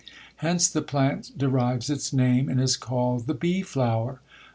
Hence the plant derives its name, and is called the BEE FLOWER.